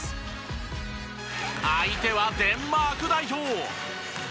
相手はデンマーク代表。